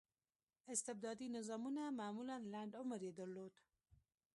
استبدادي نظامونه معمولا لنډ عمر یې درلود.